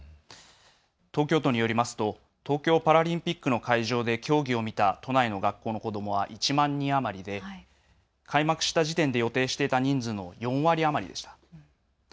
東京都によりますと東京パラリンピックの会場で競技を見た都内の学校の子どもは１万人余りで開幕した時点で予定した人数の４割余りでした。